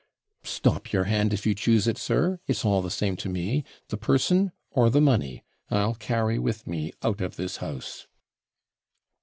Stop your hand, if you choose it, sir it's all the same to me; the person, or the money, I'll carry with me out of this house.'